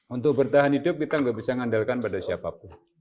untuk bertahan hidup kita nggak bisa mengandalkan pada siapapun